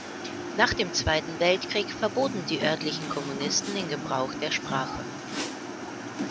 Nach dem Zweiten Weltkrieg verboten die örtlichen Kommunisten den Gebrauch der Sprache.